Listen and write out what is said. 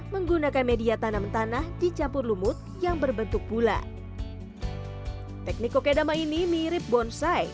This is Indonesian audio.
menggunakan media tanam tanah dicampur lumut yang berbentuk bulat teknik kokedama ini mirip bonsai